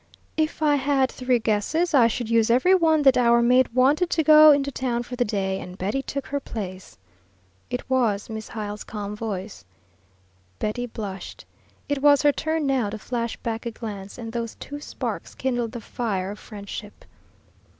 "If I had three guesses, I should use every one that our maid wanted to go into town for the day, and Betty took her place." It was Miss Hyle's calm voice. Betty blushed. It was her turn now to flash back a glance; and those two sparks kindled the fire of friendship.